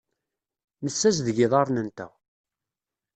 Nessazdeg iḍarren-nteɣ.